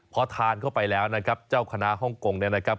พอทานเข้าไปแล้วนะครับเจ้าคณะฮ่องกงเนี่ยนะครับ